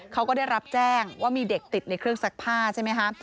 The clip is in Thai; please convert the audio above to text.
เขาก็ได้รับแจ้งว่ามีเด็กติดในเครื่องซักผ้าใช่ไหมคะ